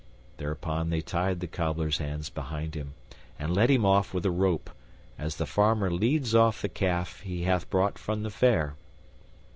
Thereupon they tied the Cobbler's hands behind him, and led him off with a rope, as the farmer leads off the calf he hath brought from the fair.